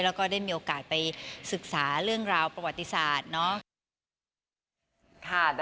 แล้วก็ได้มีโอกาสไปศึกษาเรื่องราวประวัติศาสตร์เนาะ